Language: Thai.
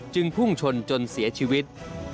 พุ่งชนจนเสียชีวิต